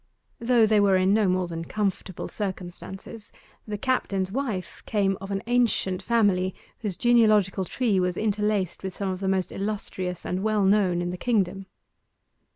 Though they were in no more than comfortable circumstances, the captain's wife came of an ancient family whose genealogical tree was interlaced with some of the most illustrious and well known in the kingdom.